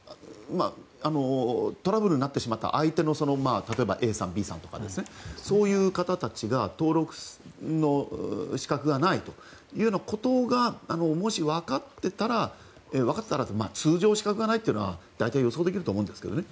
トラブルになってしまった相手の例えば、Ａさん、Ｂさんとかそういう方たちが登録の資格がないというようなことがもしわかってたらわかってたらというか通常、資格がないというのは大体予想できると思うんですけどね。